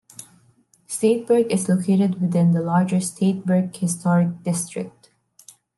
Stateburg is located within the larger Stateburg Historic District.